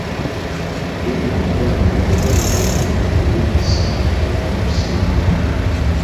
Genda mu ddwaliro bw’olaba ng’okololedde wiiki ssatu oba okusingawo.